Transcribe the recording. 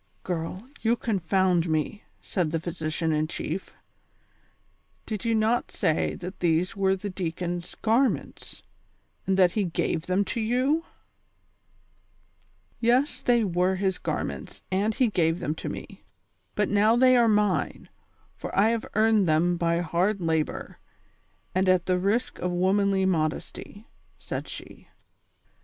"Girl, you confound me," said the physician in chief; "did you not say tliat these were the deacon's garments, and that he gave them to you V "' THE COXSPIEATORS AND LOVERS. 201 " Yes, they were his garments, and he gave them to me ; but now they are mine, for I have earned them by hard labor, and at the risk of womanly modesty," said she.